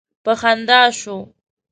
په خندا شو.